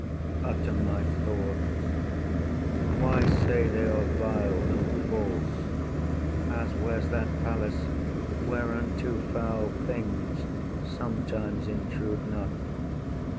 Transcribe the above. Utter my thoughts? Why, say they are vile and false: As where’s that palace whereinto foul things Sometimes intrude not?